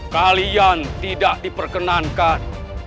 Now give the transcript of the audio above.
kalian tidak diperkenankan